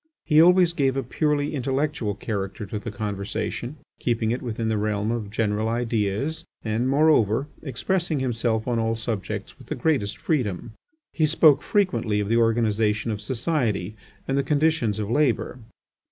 He always gave a purely intellectual character to the conversation, keeping it within the realm of general ideas, and, moreover, expressing himself on all subjects with the greatest freedom. He spoke frequently of the organization of society, and the conditions of labour.